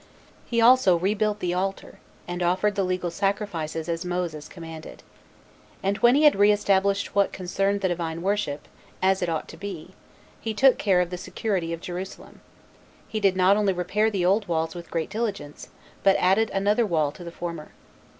He also rebuilt the altar, and offered the legal sacrifices, as Moses commanded. And when he had re established what concerned the Divine worship, as it ought to be, he took care of the security of Jerusalem: he did not only repair the old walls with great diligence, but added another wall to the former.